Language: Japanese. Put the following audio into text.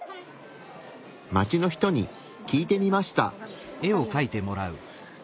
街の人に聞いてみました。